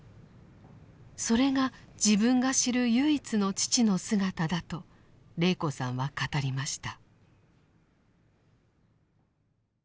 それが自分が知る唯一の父の姿だと禮子さんは語りました。